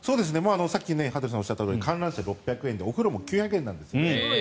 さっき羽鳥さんがおっしゃったとおり観覧車６００円でお風呂も９００円です。